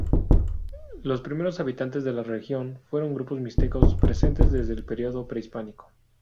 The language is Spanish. Los primeros habitantes de la región fueron grupos mixtecos, presentes desde el periodo prehispánico.